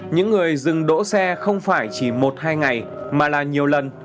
những người dừng đỗ xe không phải chỉ một hai ngày mà là nhiều lần